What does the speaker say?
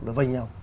nó với nhau